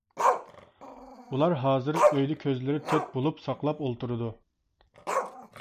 ئۇلار ھازىر ئۆيدە كۆزلىرى تۆت بولۇپ، ساقلاپ ئولتۇرىدۇ.